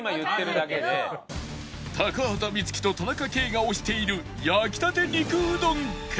高畑充希と田中圭が推している焼きたて肉うどんか？